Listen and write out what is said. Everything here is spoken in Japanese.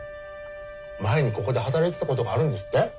前にここで働いてたことがあるんですって？